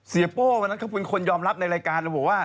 โป้วันนั้นเขาเป็นคนยอมรับในรายการเราบอกว่า